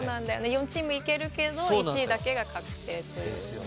４チーム行けるけど１位だけが確定という。